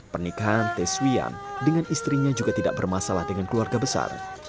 pernikahan tes wian dengan istrinya juga tidak bermasalah dengan keluarga besar